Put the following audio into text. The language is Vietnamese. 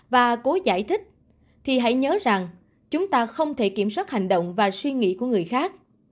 và cố giải thích thì hãy nhớ rằng chúng ta không thể kiểm soát hành động và suy nghĩ của người khác